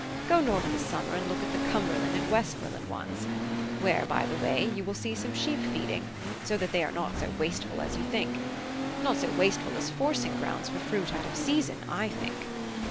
Go north this summer and look at the Cumberland and Westmoreland ones, where, by the way, you will see some sheep feeding, so that they are not so wasteful as you think; not so wasteful as forcing grounds for fruit out of season, I think.